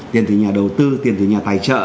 tiền từ nhà đầu tư tiền từ nhà tài trợ